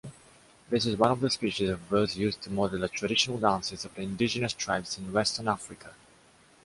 This is one of the species of birds used to model the traditional dances of the indigenous tribes in western Africa.